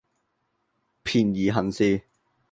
便宜行事